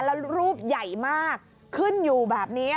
แล้วรูปใหญ่มากขึ้นอยู่แบบนี้